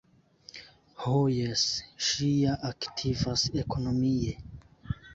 Ho jes, ŝi ja aktivas ekonomie!